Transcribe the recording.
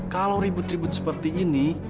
kalau ribut ribut seperti ini